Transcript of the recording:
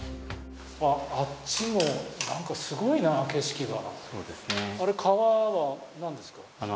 あっちもなんかすごいな、景色が。